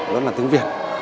đó là tiếng việt